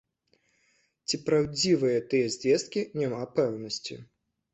Ці праўдзівыя гэтыя звесткі, няма пэўнасці.